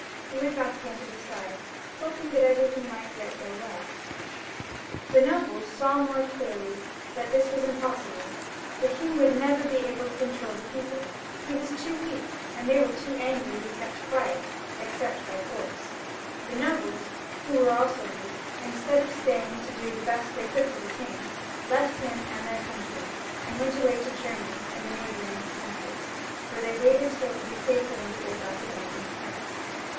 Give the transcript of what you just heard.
He went back again to Versailles, hoping that everything might yet go well The nobles saw more clearly that this was impossible. The king would never be able to control the people ; he was too weak, and they were too angry to be kept quiet, except by force. The nobles, who were also weak, instead of staying to do the best they could for the king, left him and their country, and went away to Germany and the neighbouring countries, where they waited till it should be safe for them to go back again into France.